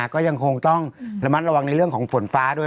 ก็ยังคงต้องระมัดระวังในเรื่องของฝนฟ้าด้วย